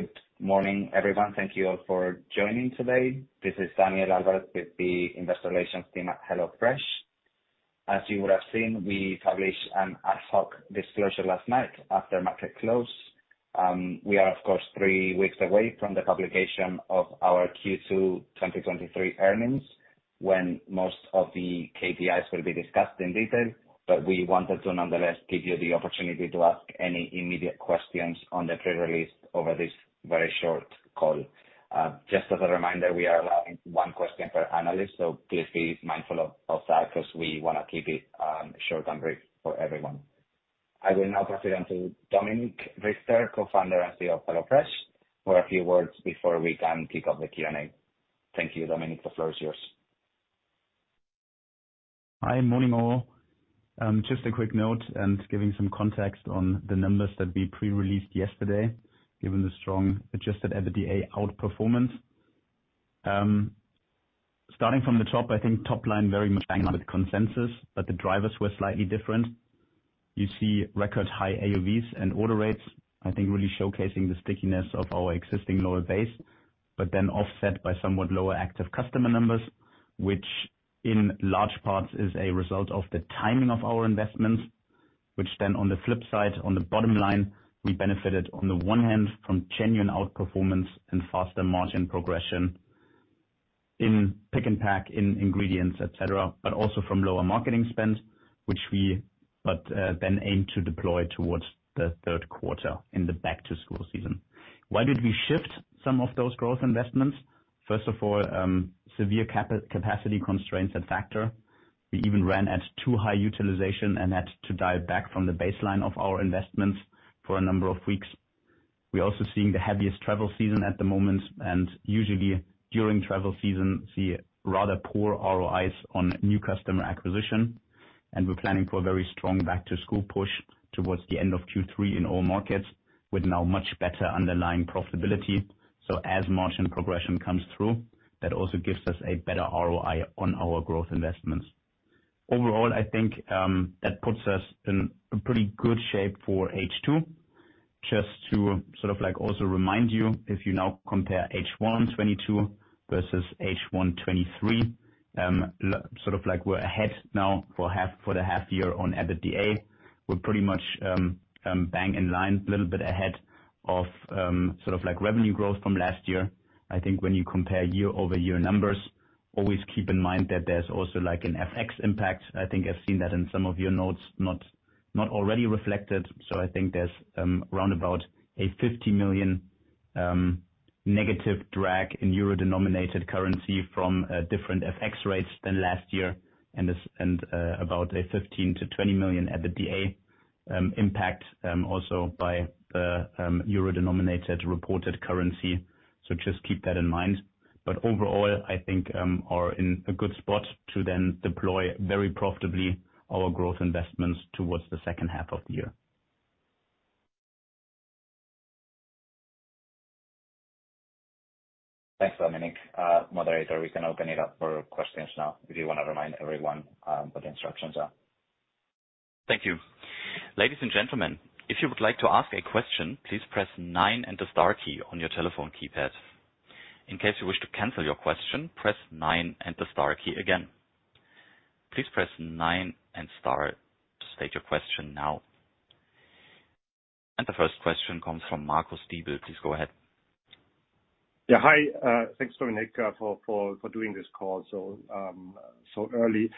Good morning, everyone. Thank you all for joining today. This is Daniel Lambert with the Investor Relations team at HelloFresh. As you would have seen, we published an ad hoc disclosure last night after market close. We are, of course, three weeks away from the publication of our Q2 2023 earnings, when most of the KPIs will be discussed in detail, but we wanted to nonetheless give you the opportunity to ask any immediate questions on the pre-release over this very short call. Just as a reminder, we are allowing one question per analyst, so please be mindful of that because we want to keep it short and brief for everyone. I will now pass it on to Dominik Richter, Co-founder and CEO of HelloFresh, for a few words before we can kick off the Q&A. Thank you, Dominik. The floor is yours. Hi, morning, all. Just a quick note and giving some context on the numbers that we pre-released yesterday, given the strong adjusted EBITDA outperformance. Starting from the top, I think top line very much in line with consensus, the drivers were slightly different. You see record high AOVs and order rates, I think really showcasing the stickiness of our existing lower base, but then offset by somewhat lower active customer numbers, which in large parts is a result of the timing of our investments. On the flip side, on the bottom line, we benefited on the one hand from genuine outperformance and faster margin progression in pick and pack, in ingredients, et cetera, but also from lower marketing spend, which we then aim to deploy towards the third quarter in the back to school season Why did we shift some of those growth investments? First of all, severe capacity constraints at Factor. We even ran at too high utilization and had to dial back from the baseline of our investments for a number of weeks. We're also seeing the heaviest travel season at the moment, and usually during travel season, see rather poor ROIs on new customer acquisition. We're planning for a very strong back to school push towards the end of Q3 in all markets, with now much better underlying profitability. As margin progression comes through, that also gives us a better ROI on our growth investments. Overall, I think, that puts us in a pretty good shape for H2. Just to sort of like also remind you, if you now compare H1 2022 versus H1 2023, sort of like we're ahead now for the half year on EBITDA. We're pretty much bang in line, a little bit ahead of, sort of like revenue growth from last year. I think when you compare year-over-year numbers, always keep in mind that there's also, like, an FX impact. I think I've seen that in some of your notes, not already reflected. I think there's around about a 50 million negative drag in euro-denominated currency from different FX rates than last year, about a 15-20 million EBITDA impact also by the euro-denominated reported currency. Just keep that in mind. Overall, I think, we're in a good spot to then deploy very profitably our growth investments towards the second half of the year. Thanks, Dominik. Moderator, we can open it up for questions now, if you want to remind everyone, what the instructions are. Thank you. Ladies and gentlemen, if you would like to ask a question, please press nine and the star key on your telephone keypad. In case you wish to cancel your question, press nine and the star key again. Please press nine and star to state your question now. The first question comes from Marcus Diebel. Please go ahead. Hi. Thanks, Dominik, for doing this call so early.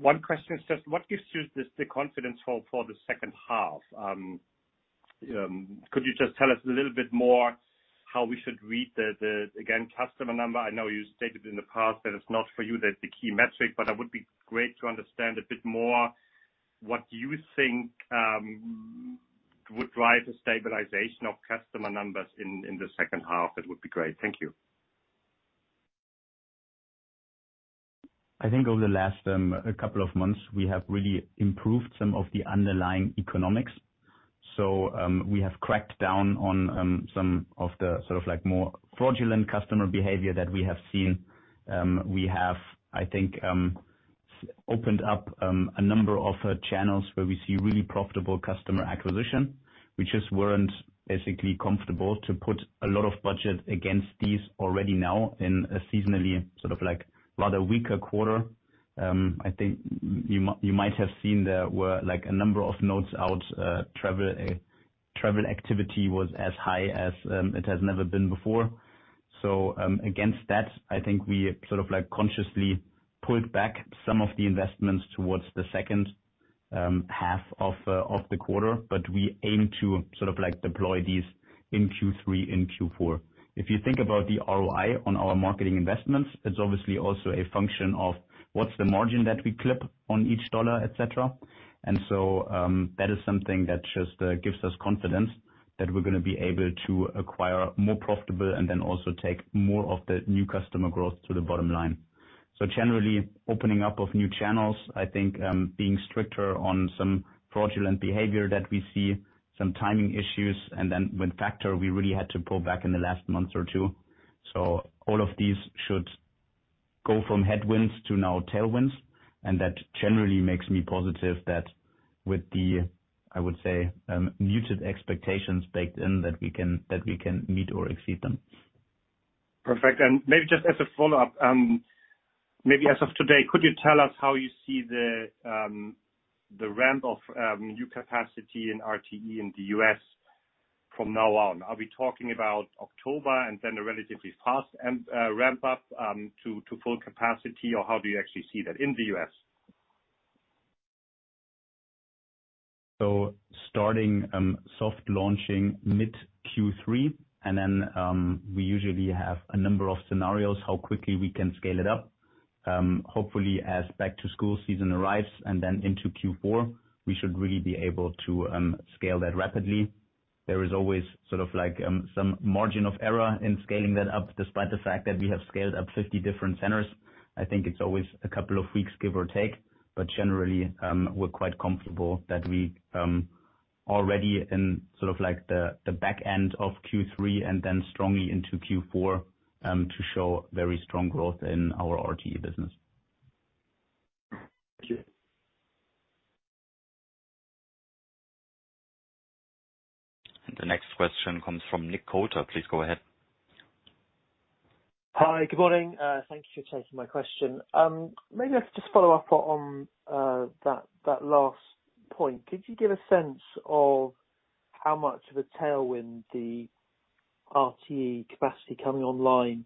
One question is just: What gives you this, the confidence for the second half? Could you just tell us a little bit more how we should read the, again, customer number? I know you stated in the past that it's not for you, that's the key metric, but that would be great to understand a bit more what you think, would drive the stabilization of customer numbers in the second half. That would be great. Thank you. I think over the last couple of months, we have really improved some of the underlying economics. We have cracked down on some of the sort of like, more fraudulent customer behavior that we have seen. We have, I think, opened up a number of channels where we see really profitable customer acquisition. We just weren't basically comfortable to put a lot of budget against these already now in a seasonally sort of like, rather weaker quarter. I think you might have seen there were, like, a number of notes out, travel activity was as high as it has never been before. Against that, I think we sort of like, consciously pulled back some of the investments towards the second half of the quarter, but we aim to sort of like, deploy these in Q3 and Q4. If you think about the ROI on our marketing investments, it's obviously also a function of what's the margin that we clip on each $1, et cetera. That is something that just gives us confidence that we're going to be able to acquire more profitable and then also take more of the new customer growth to the bottom line. Generally, opening up of new channels, I think, being stricter on some fraudulent behavior that we see, some timing issues, and then with Factor, we really had to pull back in the last month or two. All of these go from headwinds to now tailwinds, and that generally makes me positive that with the, I would say, muted expectations baked in, that we can meet or exceed them. Perfect. Maybe just as a follow-up, maybe as of today, could you tell us how you see the ramp of new capacity in RTE in the US from now on? Are we talking about October and then a relatively fast ramp up to full capacity, or how do you actually see that in the US? Starting soft launching mid Q3, and then we usually have a number of scenarios how quickly we can scale it up. Hopefully, as back to school season arrives and then into Q4, we should really be able to scale that rapidly. There is always sort of like some margin of error in scaling that up, despite the fact that we have scaled up 50 different centers. I think it's always a couple of weeks, give or take, but generally, we're quite comfortable that we already in sort of like the back end of Q3 and then strongly into Q4, to show very strong growth in our RTE business. Thank you. The next question comes from Nick Coulter. Please go ahead. Hi, good morning. Thank you for taking my question. Maybe let's just follow up on that last point. Could you give a sense of how much of a tailwind the RTE capacity coming online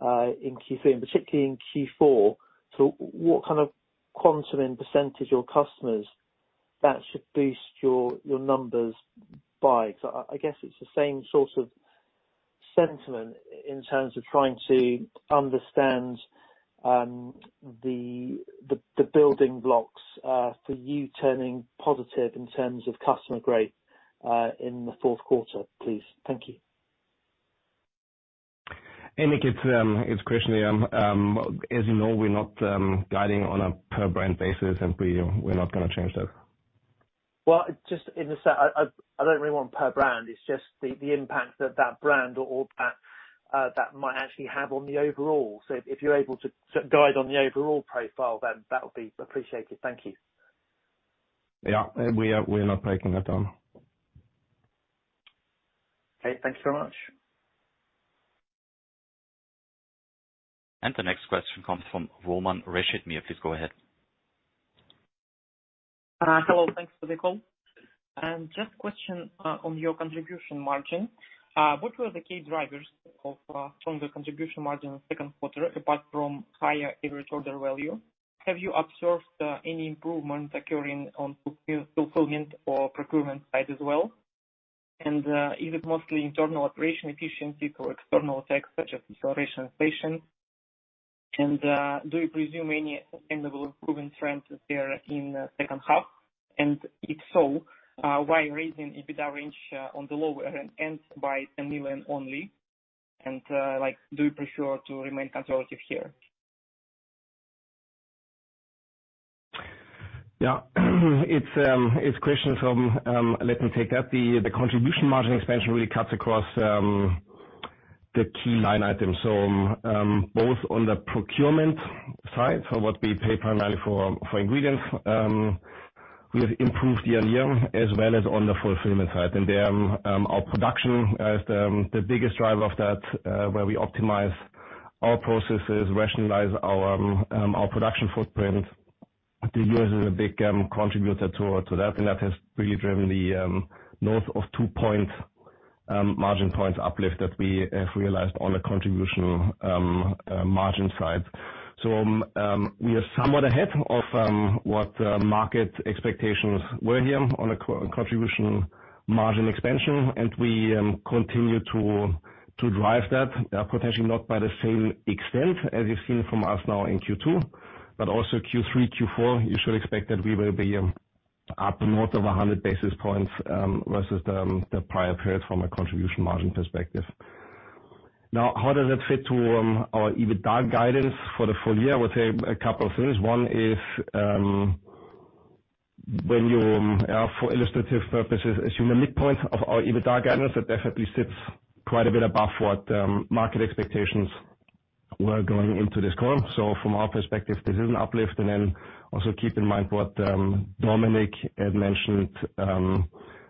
in Q3, and particularly in Q4? What kind of quantum and percentage of customers that should boost your numbers by? I guess it's the same sort of sentiment in terms of trying to understand the building blocks for you turning positive in terms of customer growth in the fourth quarter, please. Thank you. Hey, Nick, it's Christian here. As you know, we're not guiding on a per brand basis, and we're not gonna change that. Well, just in a sec, I don't really want per brand, it's just the impact that brand or that might actually have on the overall. If you're able to guide on the overall profile, then that would be appreciated. Thank you. Yeah, we're not taking that on. Okay. Thank you so much. The next question comes from Roman Reshetnyak. Please go ahead. Hello, thanks for the call. Just a question on your contribution margin. What were the key drivers of from the contribution margin in the second quarter, apart from higher average order value? Have you observed any improvement occurring on fulfillment or procurement side as well? Is it mostly internal operation efficiency or external effects, such as inflation? Do you presume any endable improvement trends there in the second half? If so, why raising EBITDA range on the lower end, ends by 10 million only? Like, do you prefer to remain conservative here? Yeah. It's Christian, so let me take that. The contribution margin expansion really cuts across the key line items. Both on the procurement side, so what we pay primarily for ingredients, we have improved year-on-year, as well as on the fulfillment side. Our production is the biggest driver of that, where we optimize our processes, rationalize our production footprint. The year is a big contributor to that, and that has really driven the north of 2 margin points uplift that we have realized on the contribution margin side. We are somewhat ahead of what the market expectations were here on the contribution margin expansion, and we continue to drive that, potentially not by the same extent as you've seen from us now in Q2, but also Q3, Q4, you should expect that we will be up north of 100 basis points versus the prior period from a contribution margin perspective. How does that fit to our EBITDA guidance for the full year? I would say a couple of things. One is, when you for illustrative purposes, assume the midpoint of our EBITDA guidance, that definitely sits quite a bit above what market expectations were going into this call. From our perspective, this is an uplift. Also keep in mind what, Dominik had mentioned,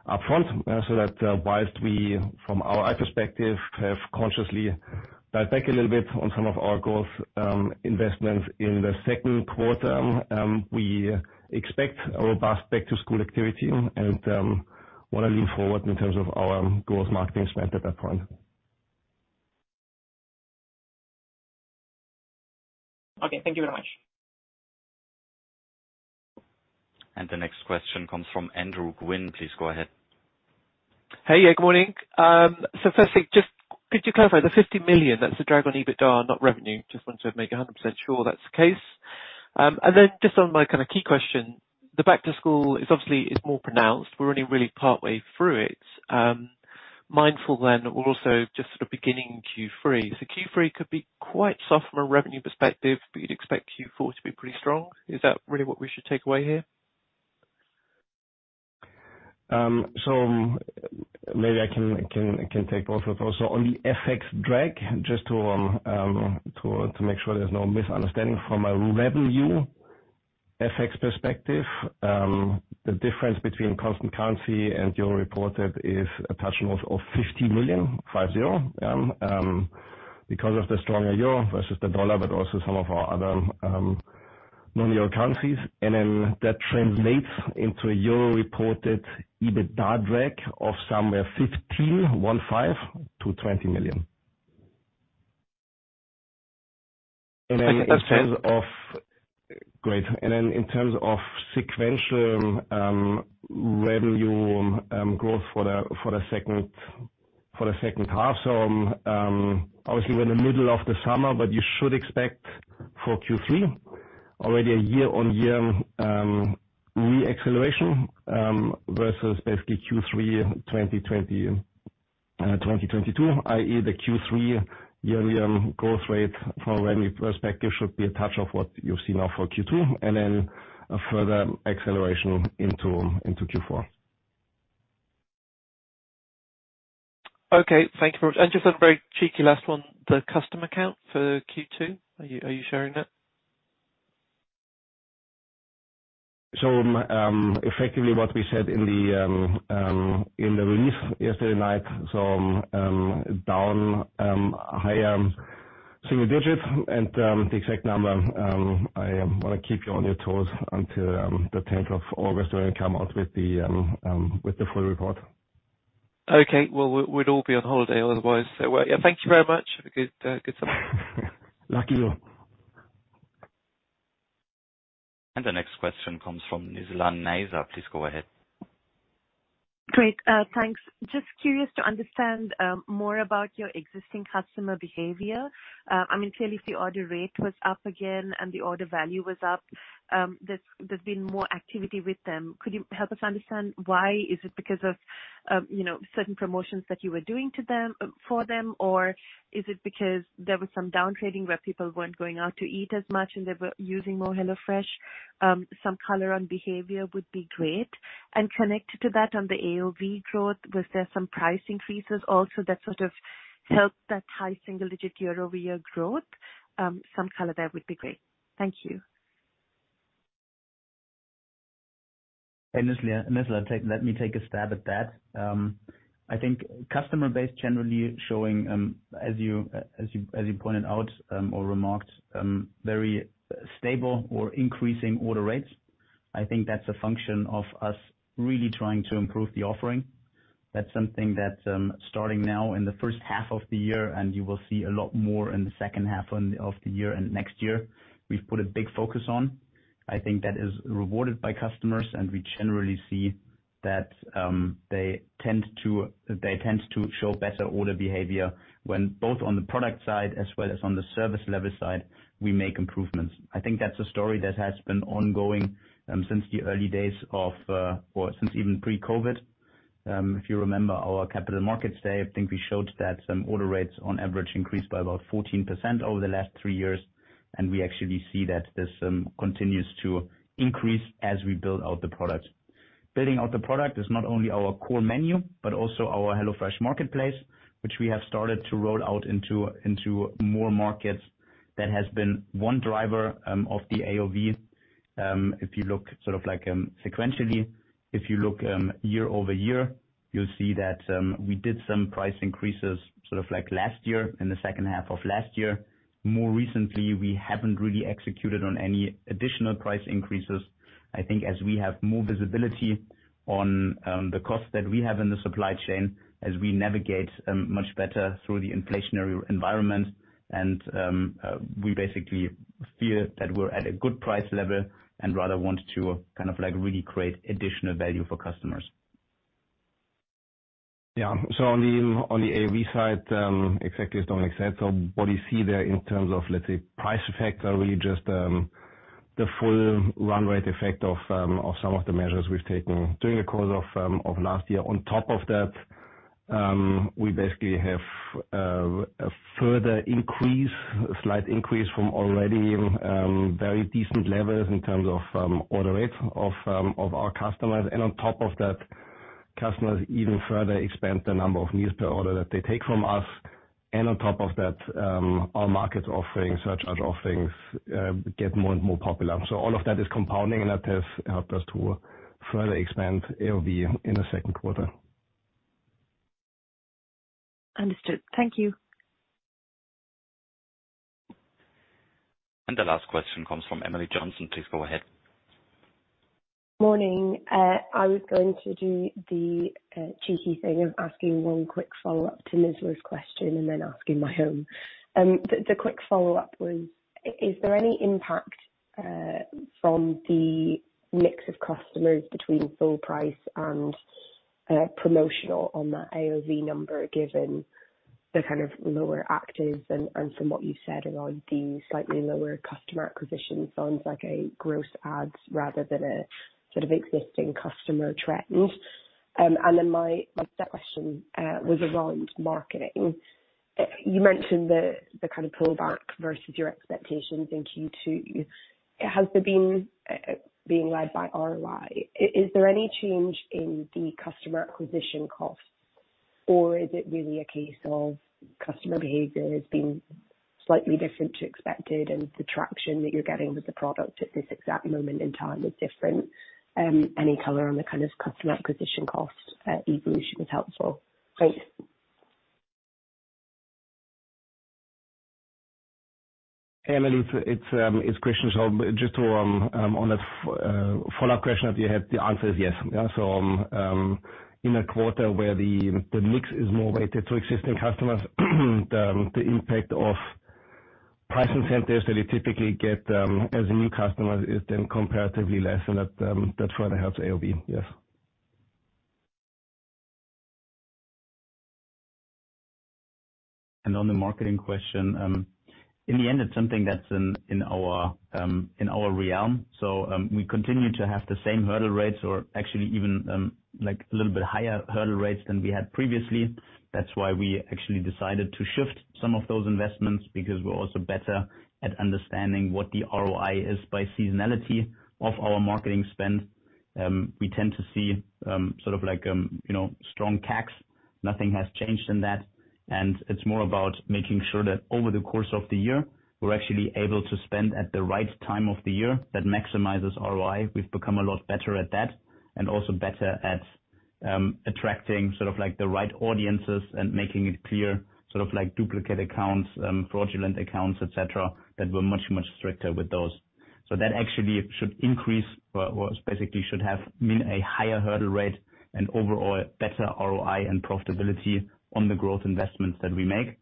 upfront, so that, whilst we, from our perspective, have consciously dialed back a little bit on some of our goals, investments in the second quarter, we expect a robust back-to-school activity and, what I look forward in terms of our growth marketing spend at that point. Okay, thank you very much. The next question comes from Andrew Gwynn. Please go ahead. Hey, yeah, good morning. Firstly, just could you clarify the 50 million, that's the drag on EBITDA, not revenue? Just want to make a 100% sure that's the case. Just on my kind of key question, the back to school is obviously, is more pronounced. We're only really partway through it. Mindful then, we're also just sort of beginning Q3. Q3 could be quite soft from a revenue perspective, but you'd expect Q4 to be pretty strong. Is that really what we should take away here? Maybe I can take both of those. On the FX drag, just to make sure there's no misunderstanding. From a revenue FX perspective, the difference between constant currency and euro reported is a touch north of 50 million. Because of the stronger euro versus the dollar, but also some of our other, non-euro currencies. That translates into a euro-reported EBITDA drag of somewhere 15 million-20 million. That's great. Great. In terms of sequential revenue growth for the second half. Obviously, we're in the middle of the summer, but you should expect for Q3, already a year-on-year re-acceleration versus basically Q3 2022, i.e., the Q3 year-on-year growth rate from a revenue perspective should be a touch of what you've seen now for Q2, and then a further acceleration into Q4. Okay, thank you very much. Just a very cheeky last one: the customer count for Q2, are you sharing that? Effectively, what we said in the release yesterday night, down higher single digits and the exact number, I want to keep you on your toes until the 10th of August, when we come out with the full report. Okay, well, we'd all be on holiday otherwise. Well, yeah, thank you very much. Have a good summer. Lucky you. The next question comes from Nizla Naizer. Please go ahead. Great, thanks. Just curious to understand more about your existing customer behavior. I mean, clearly, if the order rate was up again and the order value was up, there's been more activity with them. Could you help us understand why? Is it because of, you know, certain promotions that you were doing to them for them? Or is it because there was some down trading, where people weren't going out to eat as much, and they were using more HelloFresh? Some color on behavior would be great. Connected to that, on the AOV growth, was there some price increases also that sort of helped that high single-digit year-over-year growth? Some color there would be great. Thank you. Hey, Nizla, let me take a stab at that. I think customer base generally showing, as you pointed out, or remarked, very stable or increasing order rates. I think that's a function of us really trying to improve the offering. That's something that, starting now in the first half of the year, and you will see a lot more in the second half of the year and next year, we've put a big focus on. I think that is rewarded by customers, and we generally see that they tend to show better order behavior when both on the product side, as well as on the service level side, we make improvements. I think that's a story that has been ongoing since the early days of, or since even pre-COVID. If you remember our Capital Markets Day, I think we showed that order rates on average increased by about 14% over the last three years. We actually see that this continues to increase as we build out the product. Building out the product is not only our core menu, but also our HelloFresh Market, which we have started to roll out into more markets. That has been one driver of the AOV. If you look sort of like sequentially, if you look year-over-year, you'll see that we did some price increases, sort of like last year, in the second half of last year. More recently, we haven't really executed on any additional price increases. I think as we have more visibility on the costs that we have in the supply chain, as we navigate much better through the inflationary environment, and we basically feel that we're at a good price level and rather want to kind of, like, really create additional value for customers. Yeah. On the, on the AOV side, exactly as Dominik said, what you see there in terms of, let's say, price effects, are really just the full run rate effect of some of the measures we've taken during the course of last year. On top of that, we basically have a further increase, a slight increase from already very decent levels in terms of order rates of our customers. On top of that, customers even further expand the number of meals per order that they take from us. On top of that, our market offerings, such other offerings, get more and more popular. All of that is compounding, and that has helped us to further expand AOV in the second quarter. Understood. Thank you. The last question comes from Emily Johnson. Please go ahead. Morning, I was going to do the cheeky thing of asking one quick follow-up to Nizla's question and then asking my own. The quick follow-up was: Is there any impact from the mix of customers between full price and promotional on that AOV number, given the kind of lower actives and, from what you said around the slightly lower customer acquisition sounds like a gross adds rather than a sort of existing customer trend? My second question was around marketing. You mentioned the kind of pullback versus your expectations in Q2. Has there been being led by ROI? Is there any change in the Customer Acquisition Costs, or is it really a case of customer behavior has been slightly different to expected, and the traction that you're getting with the product at this exact moment in time is different? Any color on the kind of Customer Acquisition Cost evolution is helpful. Thanks. Hey, Emily, it's Christian. Just to on a follow-up question that you had, the answer is yes. Yeah, in a quarter where the mix is more weighted to existing customers, the impact of price incentives that you typically get as a new customer is then comparatively less, and that further helps AOV. Yes. On the marketing question, in the end, it's something that's in our realm. We continue to have the same hurdle rates or actually even a little bit higher hurdle rates than we had previously. That's why we actually decided to shift some of those investments, because we're also better at understanding what the ROI is by seasonality of our marketing spend. We tend to see, you know, strong CACs. Nothing has changed in that. It's more about making sure that over the course of the year, we're actually able to spend at the right time of the year, that maximizes ROI. We've become a lot better at that, and also better at attracting sort of like the right audiences and making it clear, sort of like duplicate accounts, fraudulent accounts, et cetera, that we're much, much stricter with those. That actually should increase, or basically should have mean a higher hurdle rate and overall better ROI and profitability on the growth investments that we make.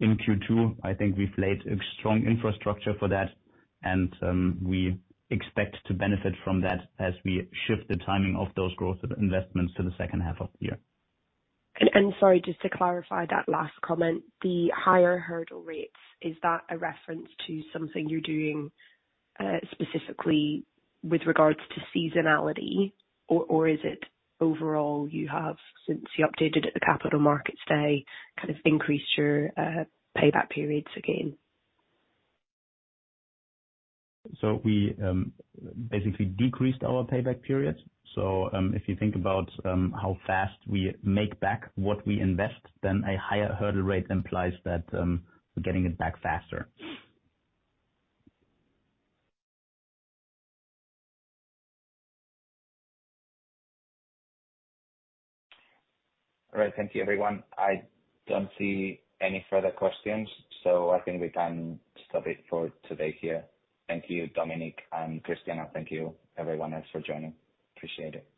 In Q2, I think we've laid a strong infrastructure for that, we expect to benefit from that as we shift the timing of those growth investments to the second half of the year. Sorry, just to clarify that last comment, the higher hurdle rates, is that a reference to something you're doing, specifically with regards to seasonality? Or, or is it overall you have since you updated at the Capital Markets day, kind of increased your payback periods again? We basically decreased our payback periods. If you think about how fast we make back what we invest, then a higher hurdle rate implies that we're getting it back faster. All right. Thank you, everyone. I don't see any further questions. I think we can stop it for today here. Thank you, Dominik and Christian, and thank you everyone else for joining. Appreciate it.